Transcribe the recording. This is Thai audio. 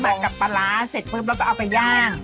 กับปลาร้าเสร็จปุ๊บแล้วก็เอาไปย่าง